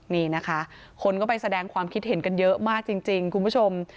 นี่นะคะคนก็ไปแสดงความคิดเห็นกันเยอะมากจริงคุณผู้ชม